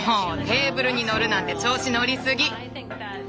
テーブルに乗るなんて調子乗りすぎ。